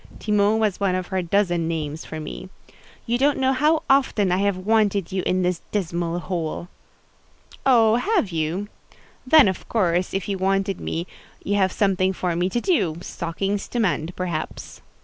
Timon was one of her dozen names for me. "You don't know how often I have wanted you in this dismal hole." "Oh, have you? Then, of course, if you wanted me, you have something for me to do: stockings to mend, perhaps."